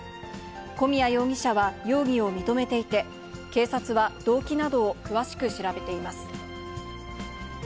古宮容疑者は容疑を認めていて、警察は動機などを詳しく調べています。